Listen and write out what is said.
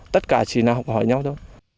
tất cả chỉ là học hỏi nhau thôi